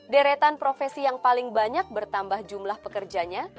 deretan profesi yang paling banyak bertambah jumlah pekerjanya